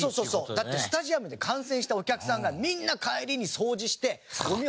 だってスタジアムで観戦したお客さんがみんな帰りに掃除してごみを持って帰ったって。